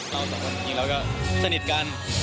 สองคนจริงแล้วก็สนิทกัน